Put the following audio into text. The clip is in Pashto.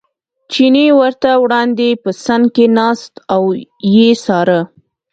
چیني ورته وړاندې په څنګ کې ناست او یې څاره.